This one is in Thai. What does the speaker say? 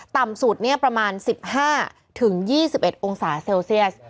ต่ำสุดเนี้ยประมาณสิบห้าถึงยี่สิบเอ็ดองศาเซลเซียส